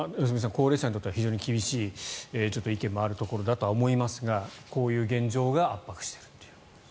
高齢者にとっては非常に厳しい意見もあるかと思いますがこういう現状が圧迫しているということです。